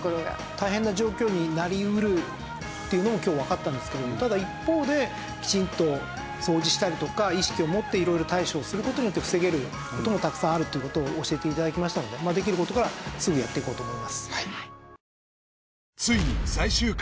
大変な状況になりうるっていうのも今日わかったんですけどもただ一方できちんと掃除したりとか意識を持って色々対処をする事によって防げる事もたくさんあるという事を教えて頂きましたのでできる事からすぐやっていこうと思います。